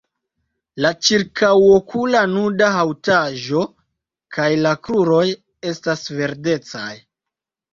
La ĉirkaŭokula nuda haŭtaĵo kaj la kruroj estas verdecaj.